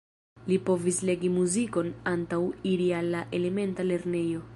Li povis legi muzikon antaŭ iri al la elementa lernejo.